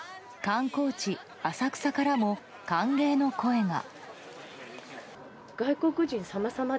観光地・浅草からも歓迎の声が。